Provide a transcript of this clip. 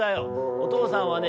おとうさんはね